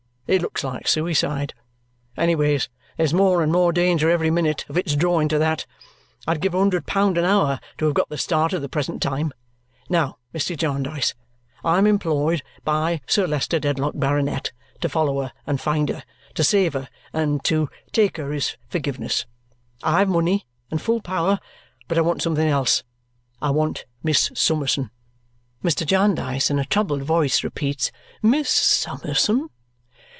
It looks like suicide. Anyways, there's more and more danger, every minute, of its drawing to that. I'd give a hundred pound an hour to have got the start of the present time. Now, Mr. Jarndyce, I am employed by Sir Leicester Dedlock, Baronet, to follow her and find her, to save her and take her his forgiveness. I have money and full power, but I want something else. I want Miss Summerson." Mr. Jarndyce in a troubled voice repeats, "Miss Summerson?"